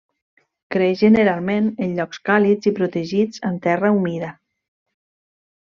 Creix generalment en llocs càlids i protegits amb terra humida.